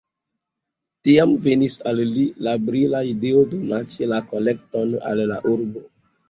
Tiam venis al li la brila ideo donaci la kolekton al la urbo.